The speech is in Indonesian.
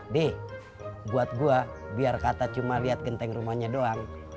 dih buat gua biar kata cuman liat genteng rumahnya doang